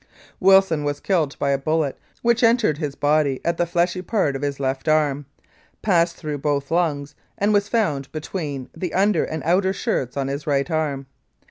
Wilson was killed by a bullet which entered his body at the fleshy part of his left arm, passed through both lungs, and was found between the under and outer shirts on his right arm.